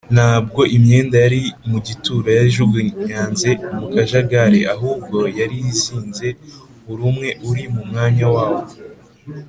ntabwo imyenda yari mu gituro yari ijugunyanze mu kajagari, ahubwo yari izinze buri umwe uri mu mwanya wawo